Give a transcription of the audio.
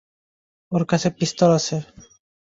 ওর কাছে পিস্তল আছে।